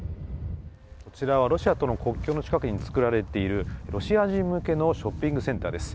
こちらはロシアとの国境の近くに作られている、ロシア人向けのショッピングセンターです。